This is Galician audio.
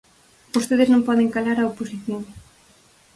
Vostedes non poden calar a oposición.